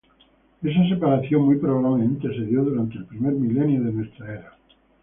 Esa separación muy probablemente se dio durante el primer milenio de nuestra era.